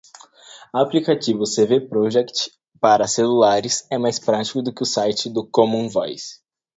Aplicativo CvProject para celulares é mais prático que o site do commonvoice